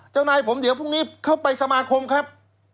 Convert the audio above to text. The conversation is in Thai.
เจ้านายผมเดี๋ยวพรุ่งนี้เข้าไปสมาคมครับ